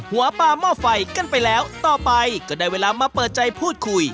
หัวปลาหม้อไฟกันไปแล้วต่อไปก็ได้เวลามาเปิดใจพูดคุย